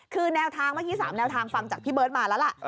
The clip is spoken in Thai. คือแนวทางเมื่อกี้๓แนวทางฟังจากพี่เบิร์ตมาแล้วล่ะ